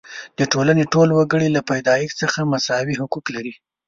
د ټولنې ټول وګړي له پیدایښت څخه مساوي حقوق لري.